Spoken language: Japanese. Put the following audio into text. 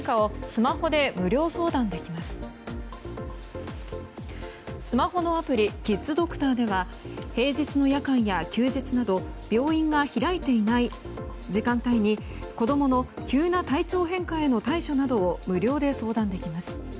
スマホのアプリキッズドクターでは平日の夜間や休日など病院が開いていない時間帯に子供の急な体調変化への対処などを無料で相談できます。